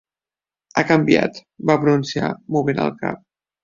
"Ha canviat" va pronunciar, movent el cap.